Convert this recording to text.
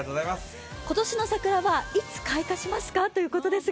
今年の桜はいつ開花しますか？ということですが。